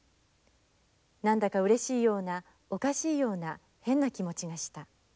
何だかうれしいようなおかしいような変な気持ちがした」。